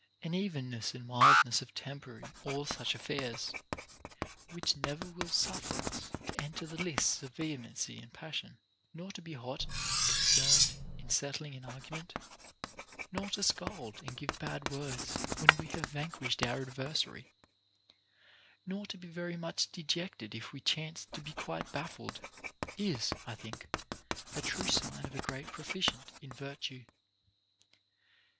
An evenness and mildness of temper in all such affairs, which never will suffer us to enter the lists with vehe mency and passion, nor to be hot and concerned in settling an argument, nor to scold and give bad words when we have vanquished our adversary, nor to be very much de jected if we chance to be quite baffled, is ( I think) a true sign of a great proficient in virtue.